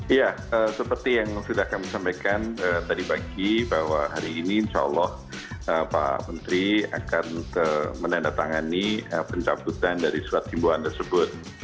iya seperti yang sudah kami sampaikan tadi pagi bahwa hari ini insya allah pak menteri akan menandatangani pencabutan dari surat simboan tersebut